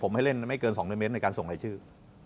ผมให้เล่นไม่เกิน๒๐๐เมตรในการส่งรายชื่อ